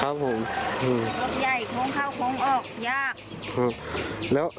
รถใหญ่โค้งเข้าโค้งออกยาก